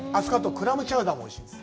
クラムチャウダーもおいしいんです。